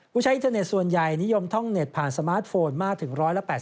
ใช้อินเทอร์เน็ตส่วนใหญ่นิยมท่องเน็ตผ่านสมาร์ทโฟนมากถึง๑๘๐